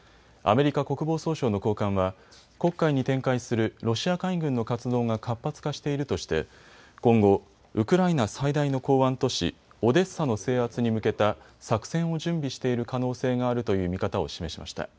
アメリカ国防総省の高官は黒海に展開するロシア海軍の活動が活発化しているとして今後、ウクライナ最大の港湾都市オデッサの制圧に向けた作戦を準備している可能性があるという見方を示しました。